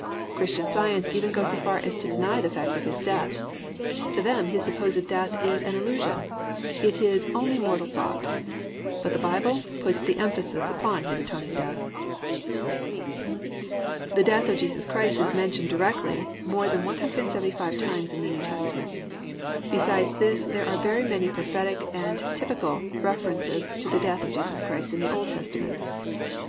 Christian Science even goes so far as to deny the fact of His death. To them His supposed death is "an illusion," it is "only mortal thought," but the Bible puts the emphasis upon His atoning death. 1. _The death of Jesus Christ is mentioned directly more than 175 times in the New Testament. Besides this there are very many prophetic and typical references to the death of Jesus Christ in the Old Testament.